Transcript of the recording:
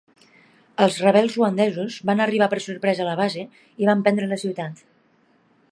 Els rebels ruandesos van arribar per sorpresa a la base i van prendre la ciutat.